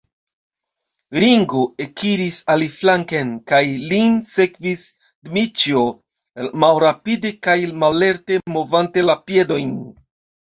Ringo ekiris aliflanken, kaj lin sekvis Dmiĉjo, malrapide kaj mallerte movante la piedojn.